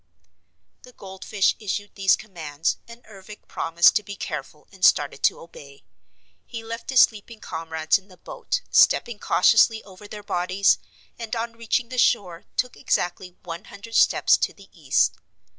The goldfish issued these commands and Ervic promised to be careful and started to obey. He left his sleeping comrades in the boat, stepping cautiously over their bodies, and on reaching the shore took exactly one hundred steps to the east.